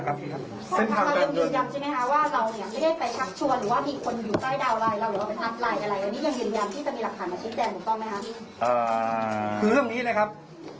คือเรื่องนี้ผมยืนยันว่า